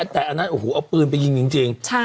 แต่อันนั้นอ่ะหูเอาปืนไปยิงจริงจูนใช่